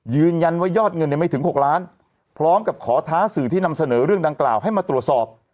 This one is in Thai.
ยอดเงินไม่ถึง๖ล้านพร้อมกับขอท้าสื่อที่นำเสนอเรื่องดังกล่าวให้มาตรวจสอบ